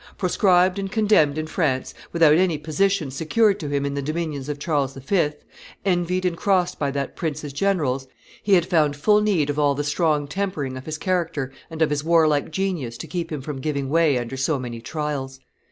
Proscribed and condemned in France, without any position secured to him in the dominions of Charles V., envied and crossed by that prince's generals, he had found full need of all the strong tempering of his character and of his warlike genius to keep him from giving way under so many trials.